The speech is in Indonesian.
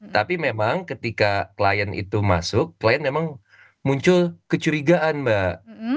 tapi memang ketika klien itu masuk klien memang muncul kecurigaan mbak